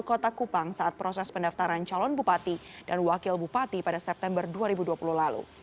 kota kupang saat proses pendaftaran calon bupati dan wakil bupati pada september dua ribu dua puluh lalu